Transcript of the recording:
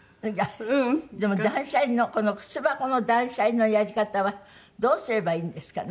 でも断捨離の靴箱の断捨離のやり方はどうすればいいんですかね？